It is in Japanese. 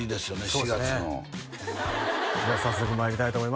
４月のそうですねでは早速まいりたいと思います